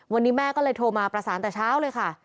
วันนี้แม่ก็เลยโทรมาประสานแต่เช้าเลยค่ะ